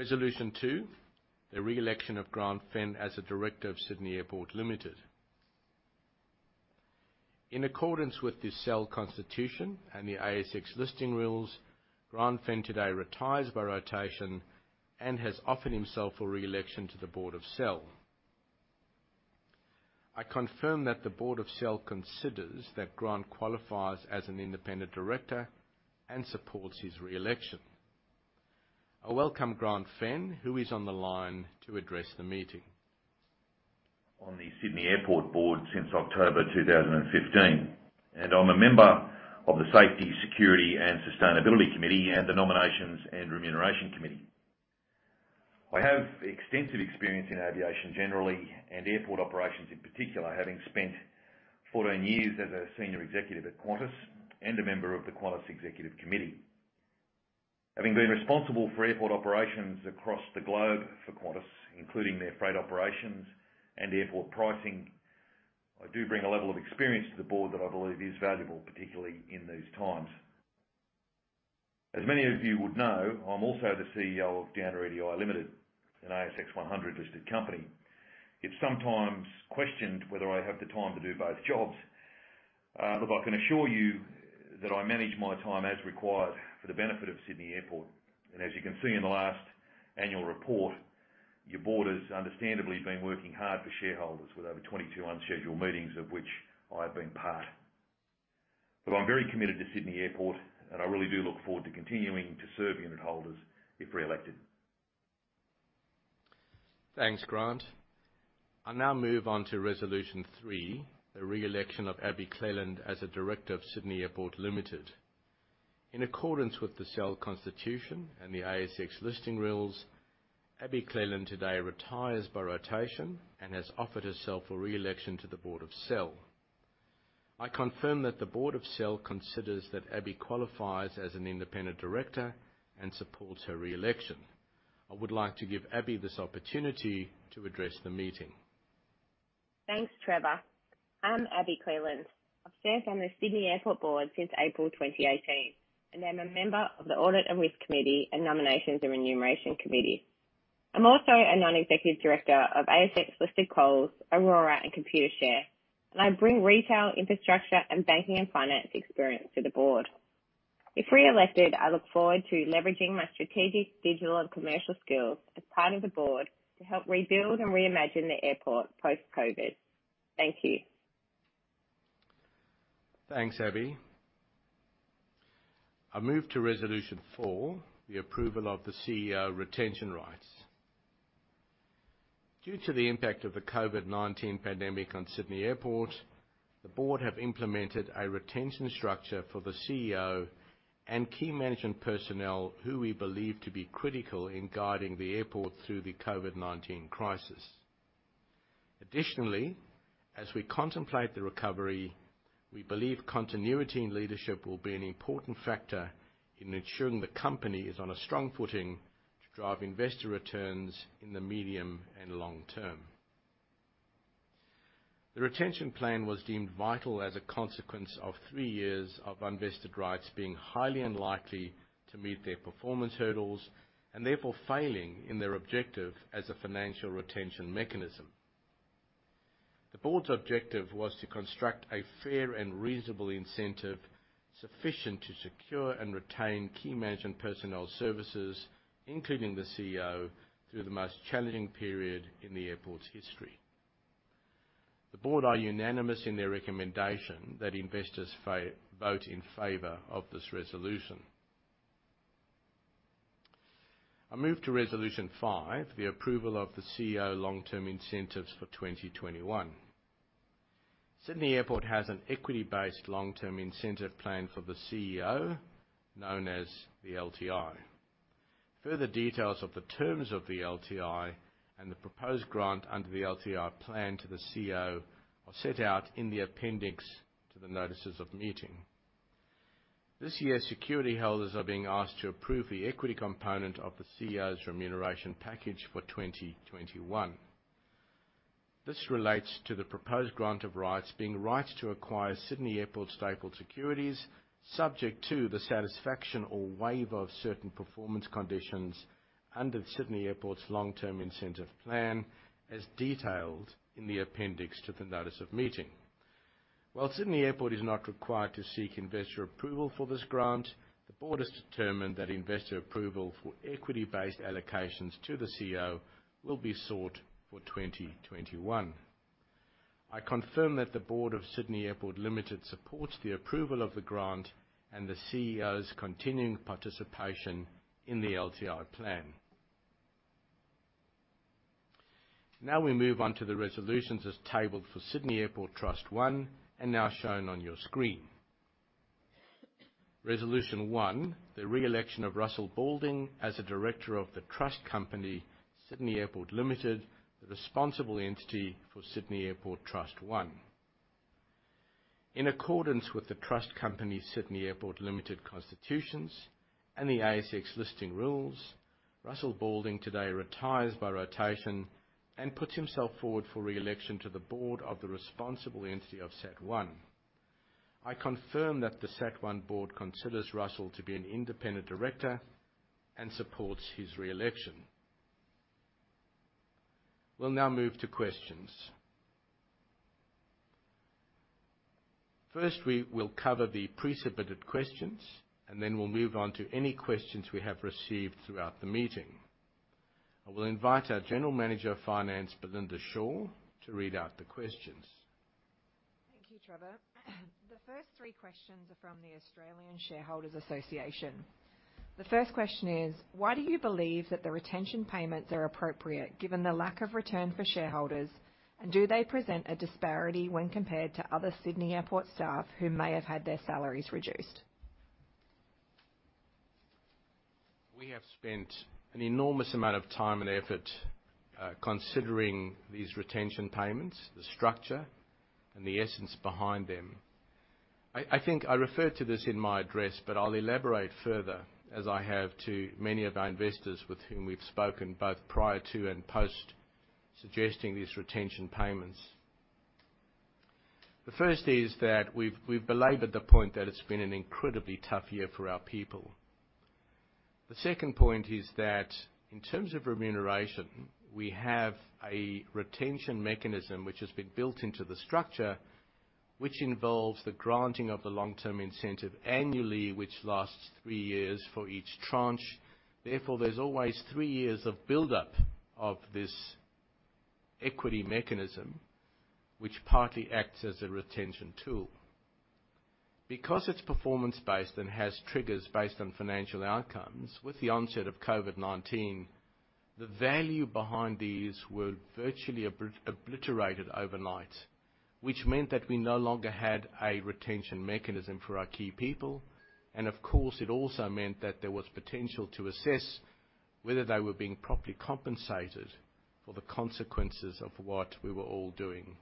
Resolution two, the re-election of Grant Fenn as a director of Sydney Airport Limited. In accordance with the SYD constitution and the ASX listing rules, Grant Fenn today retires by rotation and has offered himself for re-election to the board of SYD. I confirm that the board of SYD considers that Grant qualifies as an independent director and supports his re-election. I welcome Grant Fenn, who is on the line to address the meeting. On the Sydney Airport board since October 2015, and I'm a member of the Safety, Security and Sustainability Committee and the Nominations and Remuneration Committee. I have extensive experience in aviation generally and airport operations in particular, having spent 14 years as a senior executive at Qantas and a member of the Qantas Executive Committee. Having been responsible for airport operations across the globe for Qantas, including their freight operations and airport pricing, I do bring a level of experience to the board that I believe is valuable, particularly in these times. As many of you would know, I'm also the CEO of Downer EDI Limited, an ASX 100-listed company. It's sometimes questioned whether I have the time to do both jobs. Look, I can assure you that I manage my time as required for the benefit of Sydney Airport, and as you can see in the last annual report, your board has understandably been working hard for shareholders with over 22 unscheduled meetings, of which I have been part. I'm very committed to Sydney Airport, and I really do look forward to continuing to serve unit holders if re-elected. Thanks, Grant. I now move on to Resolution three, the re-election of Abi Cleland as a director of Sydney Airport Limited. In accordance with the SYD constitution and the ASX listing rules, Abi Cleland today retires by rotation and has offered herself for re-election to the board of SYD. I confirm that the board of SYD considers that Abi qualifies as an independent director and supports her re-election. I would like to give Abi this opportunity to address the meeting. Thanks, Trevor. I'm Abi Cleland. I've served on the Sydney Airport board since April 2018. I'm a member of the Audit and Risk Committee and Nominations and Remuneration Committee. I'm also a Non-Executive Director of ASX-listed Coles, Aurizon, and Computershare. I bring retail, infrastructure, and banking and finance experience to the board. If re-elected, I look forward to leveraging my strategic, digital, and commercial skills as part of the board to help rebuild and reimagine the airport post-COVID. Thank you. Thanks, Abi. I move to Resolution Four, the approval of the CEO retention rights. Due to the impact of the COVID-19 pandemic on Sydney Airport, the board have implemented a retention structure for the CEO and key management personnel who we believe to be critical in guiding the airport through the COVID-19 crisis. Additionally, as we contemplate the recovery, we believe continuity in leadership will be an important factor in ensuring the company is on a strong footing to drive investor returns in the medium and long term. The retention plan was deemed vital as a consequence of three years of unvested rights being highly unlikely to meet their performance hurdles and therefore failing in their objective as a financial retention mechanism. The board's objective was to construct a fair and reasonable incentive sufficient to secure and retain key management personnel services, including the CEO, through the most challenging period in the airport's history. The board are unanimous in their recommendation that investors vote in favor of this resolution. I move to Resolution Five, the approval of the CEO long-term incentives for 2021. Sydney Airport has an equity-based long-term incentive plan for the CEO, known as the LTI. Further details of the terms of the LTI and the proposed grant under the LTI plan to the CEO are set out in the appendix to the notices of meeting. This year, security holders are being asked to approve the equity component of the CEO's remuneration package for 2021. This relates to the proposed grant of rights being rights to acquire Sydney Airport stapled securities, subject to the satisfaction or waiver of certain performance conditions under Sydney Airport's Long Term Incentive plan, as detailed in the appendix to the notice of meeting. While Sydney Airport is not required to seek investor approval for this grant, the Board has determined that investor approval for equity-based allocations to the CEO will be sought for 2021. I confirm that the Board of Sydney Airport Limited supports the approval of the grant and the CEO's continuing participation in the LTI plan. Now we move on to the resolutions as tabled for Sydney Airport Trust 1, and now shown on your screen. Resolution one, the re-election of Russell Balding as a director of The Trust Company (Sydney Airport) Limited, the responsible entity for Sydney Airport Trust 1. In accordance with The Trust Company (Sydney Airport) Limited constitutions and the ASX listing rules, Russell Balding today retires by rotation and puts himself forward for re-election to the board of the responsible entity of SAT1. I confirm that the SAT1 board considers Russell to be an independent director and supports his re-election. We'll now move to questions. First, we will cover the pre-submitted questions, and then we'll move on to any questions we have received throughout the meeting. I will invite our General Manager of Finance, Belinda Shaw, to read out the questions. Thank you, Trevor. The first three questions are from the Australian Shareholders' Association. The first question is, "Why do you believe that the retention payments are appropriate given the lack of return for shareholders, and do they present a disparity when compared to other Sydney Airport staff who may have had their salaries reduced? We have spent an enormous amount of time and effort considering these retention payments, the structure, and the essence behind them. I think I referred to this in my address. I'll elaborate further as I have to many of our investors with whom we've spoken, both prior to and post suggesting these retention payments. The first is that we've belabored the point that it's been an incredibly tough year for our people. The second point is that in terms of remuneration, we have a retention mechanism which has been built into the structure, which involves the granting of the long-term incentive annually, which lasts three years for each tranche. There's always three years of buildup of this equity mechanism, which partly acts as a retention tool. Because it's performance-based and has triggers based on financial outcomes, with the onset of COVID-19, the value behind these were virtually obliterated overnight, which meant that we no longer had a retention mechanism for our key people, and of course, it also meant that there was potential to assess whether they were being properly compensated for the consequences of what we were all doing.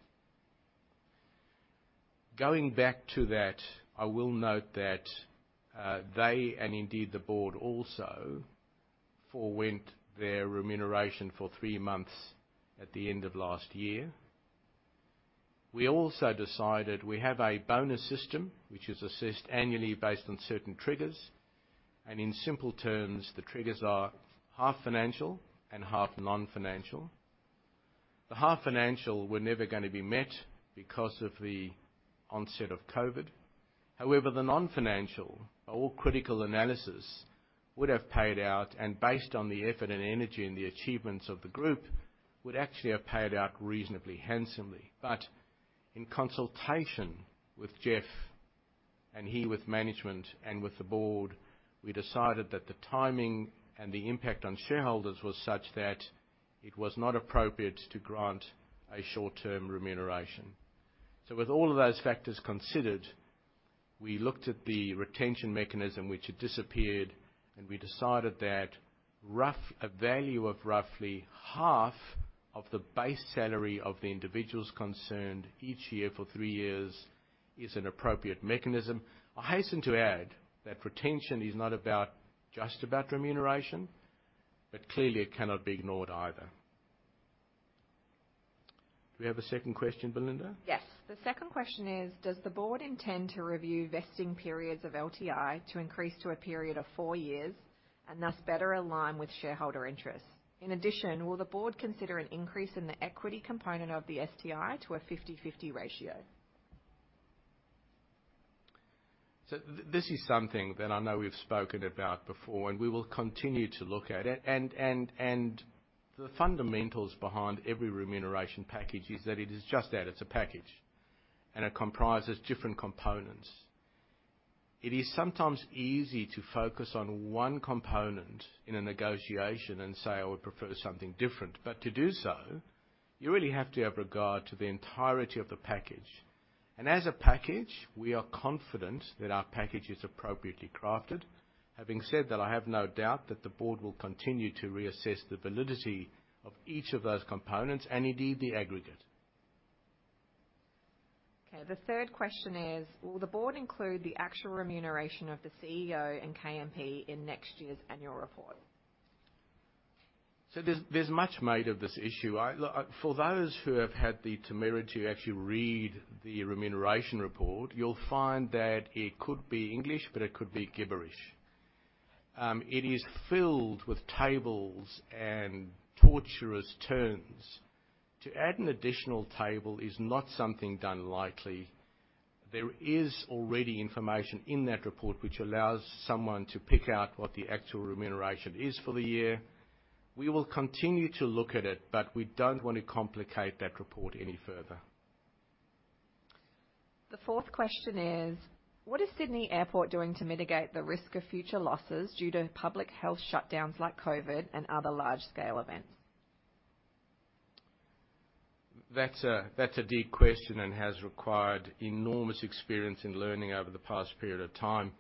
Going back to that, I will note that they, and indeed the board also, forwent their remuneration for three months at the end of last year. We also decided we have a bonus system, which is assessed annually based on certain triggers. In simple terms, the triggers are half financial and half non-financial. The half financial were never gonna be met because of the onset of COVID. However, the non-financial, by all critical analysis, would have paid out, and based on the effort and energy and the achievements of the group, would actually have paid out reasonably handsomely. In consultation with Geoff and he with management and with the board, we decided that the timing and the impact on shareholders was such that it was not appropriate to grant a short-term remuneration. With all of those factors considered, we looked at the retention mechanism, which had disappeared, and we decided that a value of roughly half of the base salary of the individuals concerned each year for three years is an appropriate mechanism. I hasten to add that retention is not just about remuneration, but clearly it cannot be ignored either. Do we have a second question, Belinda? Yes. The second question is, "Does the board intend to review vesting periods of LTI to increase to a period of four years and thus better align with shareholder interests? In addition, will the board consider an increase in the equity component of the STI to a 50/50 ratio? This is something that I know we've spoken about before, and we will continue to look at it. The fundamentals behind every remuneration package is that it is just that, it's a package, and it comprises different components. It is sometimes easy to focus on one component in a negotiation and say, "I would prefer something different." To do so, you really have to have regard to the entirety of the package. As a package, we are confident that our package is appropriately crafted. Having said that, I have no doubt that the board will continue to reassess the validity of each of those components and indeed the aggregate. The third question is, "Will the board include the actual remuneration of the CEO and KMP in next year's annual report? There's much made of this issue. For those who have had the temerity to actually read the remuneration report, you'll find that it could be English, but it could be gibberish. It is filled with tables and torturous terms. To add an additional table is not something done lightly. There is already information in that report which allows someone to pick out what the actual remuneration is for the year. We will continue to look at it, but we don't want to complicate that report any further. The fourth question is: what is Sydney Airport doing to mitigate the risk of future losses due to public health shutdowns like COVID and other large-scale events? That's a deep question and has required enormous experience in learning over the past period of time.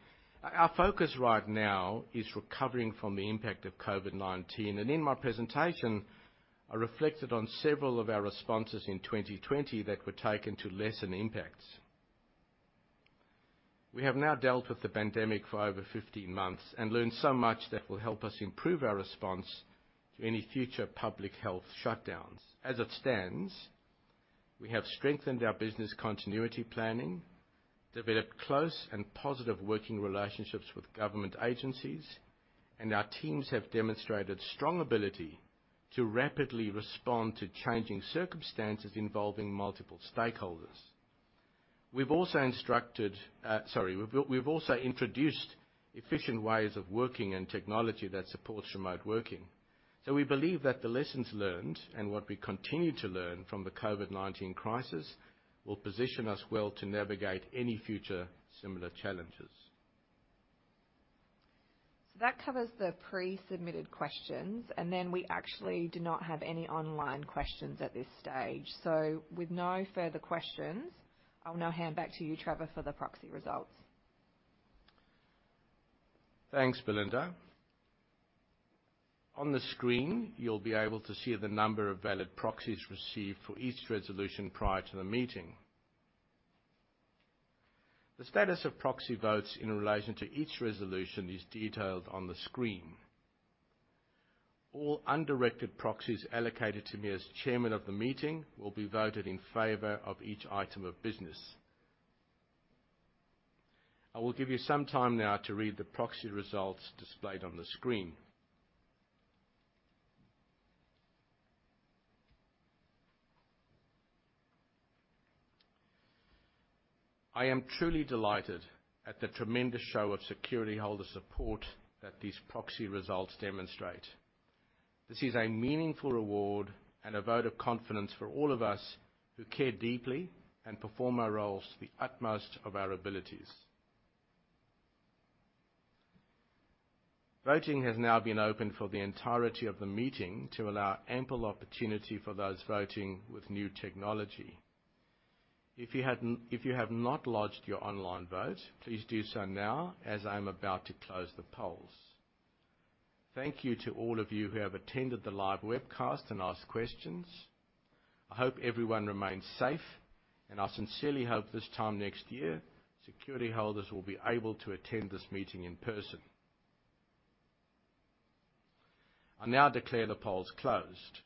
Our focus right now is recovering from the impact of COVID-19, and in my presentation, I reflected on several of our responses in 2020 that were taken to lessen impacts. We have now dealt with the pandemic for over 15 months and learned so much that will help us improve our response to any future public health shutdowns. As it stands, we have strengthened our business continuity planning, developed close and positive working relationships with government agencies, and our teams have demonstrated strong ability to rapidly respond to changing circumstances involving multiple stakeholders. We've also introduced efficient ways of working and technology that supports remote working. We believe that the lessons learned and what we continue to learn from the COVID-19 crisis will position us well to navigate any future similar challenges. That covers the pre-submitted questions. We actually do not have any online questions at this stage. With no further questions, I'll now hand back to you, Trevor, for the proxy results. Thanks, Belinda. On the screen, you'll be able to see the number of valid proxies received for each resolution prior to the meeting. The status of proxy votes in relation to each resolution is detailed on the screen. All undirected proxies allocated to me as Chairman of the meeting will be voted in favor of each item of business. I will give you some time now to read the proxy results displayed on the screen. I am truly delighted at the tremendous show of security holder support that these proxy results demonstrate. This is a meaningful reward and a vote of confidence for all of us who care deeply and perform our roles to the utmost of our abilities. Voting has now been open for the entirety of the meeting to allow ample opportunity for those voting with new technology. If you have not lodged your online vote, please do so now as I'm about to close the polls. Thank you to all of you who have attended the live webcast and asked questions. I hope everyone remains safe, and I sincerely hope this time next year, security holders will be able to attend this meeting in person. I now declare the polls closed.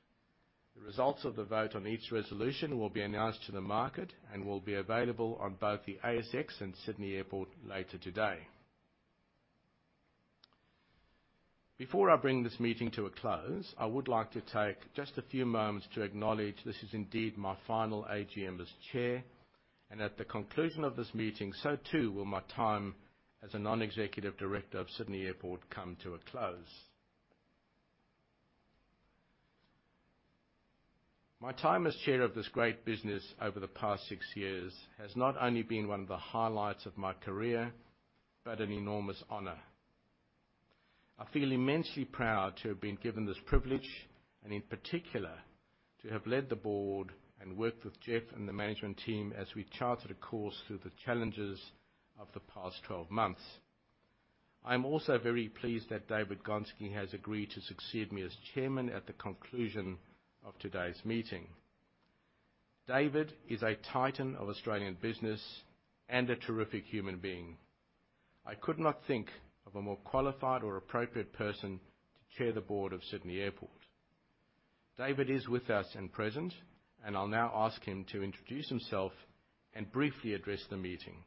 The results of the vote on each resolution will be announced to the market and will be available on both the ASX and Sydney Airport later today. Before I bring this meeting to a close, I would like to take just a few moments to acknowledge this is indeed my final AGM as chair, and at the conclusion of this meeting, so too will my time as a non-executive director of Sydney Airport come to a close. My time as Chairman of this great business over the past six years has not only been one of the highlights of my career but an enormous honor. I feel immensely proud to have been given this privilege, and in particular, to have led the board and worked with Geoff and the management team as we charted a course through the challenges of the past 12 months. I'm also very pleased that David Gonski has agreed to succeed me as Chairman at the conclusion of today's meeting. David is a titan of Australian business and a terrific human being. I could not think of a more qualified or appropriate person to chair the board of Sydney Airport. David is with us and present. I'll now ask him to introduce himself and briefly address the meeting.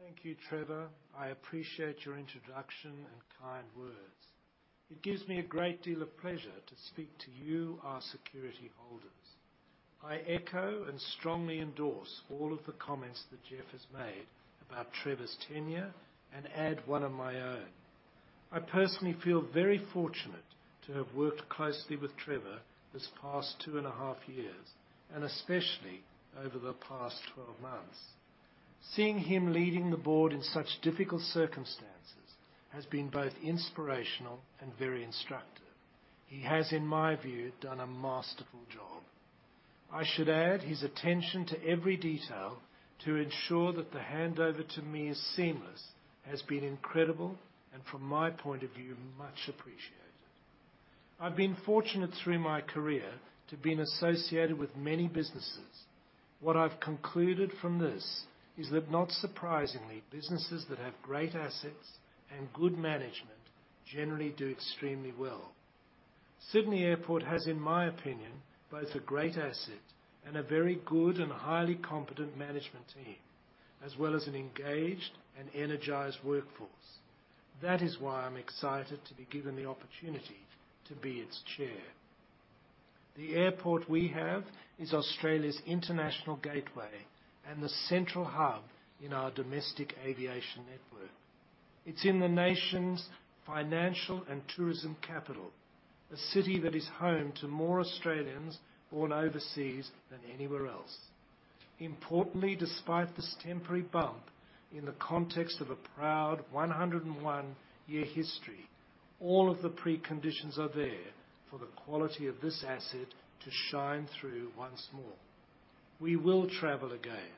Thank you, Trevor. I appreciate your introduction and kind words. It gives me a great deal of pleasure to speak to you, our security holders. I echo and strongly endorse all of the comments that Geoff has made about Trevor's tenure and add one of my own. I personally feel very fortunate to have worked closely with Trevor this past two and a half years, and especially over the past 12 months. Seeing him leading the board in such difficult circumstances has been both inspirational and very instructive. He has, in my view, done a masterful job. I should add, his attention to every detail to ensure that the handover to me is seamless, has been incredible, and from my point of view, much appreciated. I've been fortunate through my career to been associated with many businesses. What I've concluded from this is that not surprisingly, businesses that have great assets and good management generally do extremely well. Sydney Airport has, in my opinion, both a great asset and a very good and highly competent management team, as well as an engaged and energized workforce. That is why I'm excited to be given the opportunity to be its chair. The airport we have is Australia's international gateway and the central hub in our domestic aviation network. It's in the nation's financial and tourism capital, a city that is home to more Australians born overseas than anywhere else. Importantly, despite this temporary bump, in the context of a proud 101-year history, all of the preconditions are there for the quality of this asset to shine through once more. We will travel again.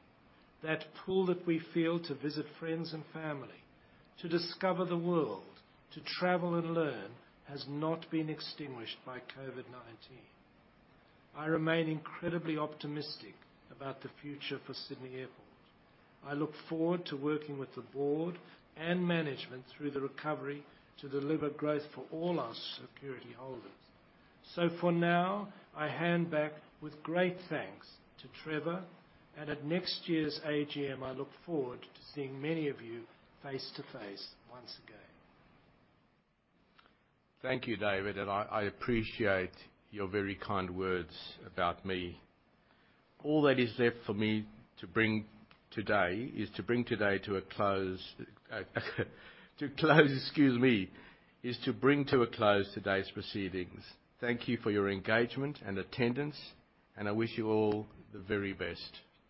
That pull that we feel to visit friends and family, to discover the world, to travel and learn has not been extinguished by COVID-19. I remain incredibly optimistic about the future for Sydney Airport. I look forward to working with the board and management through the recovery to deliver growth for all our security holders. For now, I hand back with great thanks to Trevor. At next year's AGM, I look forward to seeing many of you face-to-face once again. Thank you, David. I appreciate your very kind words about me. All that is left for me to bring today, excuse me, is to bring to a close today's proceedings. Thank you for your engagement and attendance. I wish you all the very best.